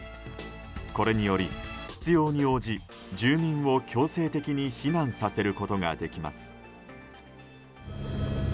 これにより必要に応じ、住民を強制的に避難させることができます。